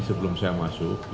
sebelum saya masuk